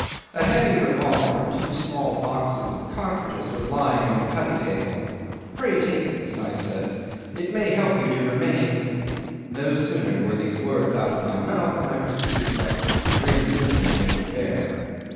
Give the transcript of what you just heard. A heavy revolver and two small boxes of cartridges were lying on the cuddy table. "Pray take this," I said. "It may help you to remain." No sooner were these words out of my mouth than I perceived what grim meaning they could bear.